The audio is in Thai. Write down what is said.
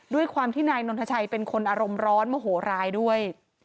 ด้วยความที่นายนนทชัยเป็นคนอารมณ์ร้อนโมโหร้ายด้วย